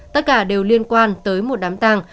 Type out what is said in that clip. tất cả đều liên quan tới một đám tang